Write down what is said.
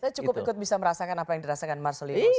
saya cukup ikut bisa merasakan apa yang dirasakan marcelino